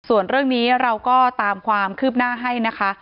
ส่วนเรื่องนี้เราก็ตามความคืบหน้าให้นะคะ